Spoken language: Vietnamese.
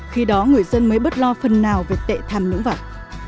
khi đó người dân mới bớt lo phần nào về tệ tham nhũng vật